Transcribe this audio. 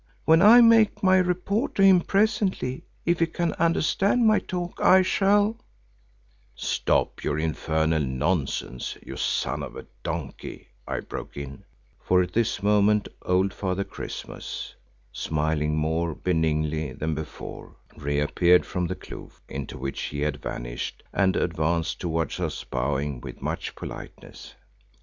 When I make my report to him presently, if he can understand my talk, I shall——" "Stop your infernal nonsense, you son of a donkey," I broke in, for at this moment old Father Christmas, smiling more benignly than before, re appeared from the kloof into which he had vanished and advanced towards us bowing with much politeness.